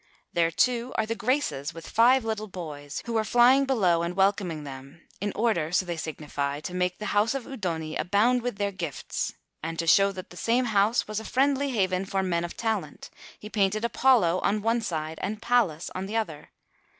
There, too, are the Graces, with five little boys who are flying below and welcoming them, in order, so they signify, to make the house of the Udoni abound with their gifts; and to show that the same house was a friendly haven for men of talent, he painted Apollo on one side and Pallas on the other.